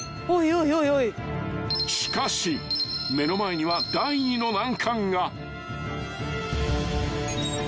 ［しかし目の前には第２の難関が］